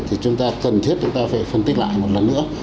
thì chúng ta cần thiết chúng ta phải phân tích lại một lần nữa